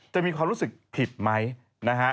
จะมีความรู้สึกผิดไหมนะฮะ